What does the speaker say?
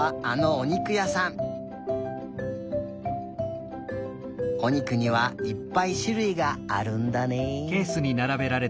おにくにはいっぱいしゅるいがあるんだね。